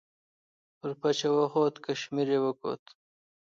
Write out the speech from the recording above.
پر پچه وخوت، کشمیر یې وکوت.